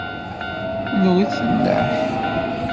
Nwet nneḥ.